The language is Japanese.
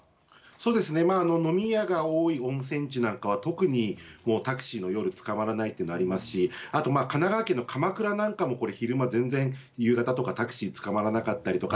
そうですね、飲み屋が多い温泉地なんかは、特にもうタクシーの、夜捕まらないっていうのもありますし、あと神奈川県の鎌倉なんかもこれ、昼間、全然、夕方とかタクシーつかまらなかったりとか、